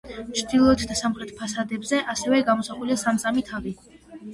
ჩრდილოეთ და სამხრეთ ფასადებზე, ასევე, გამოსახულია სამ-სამი თაღი.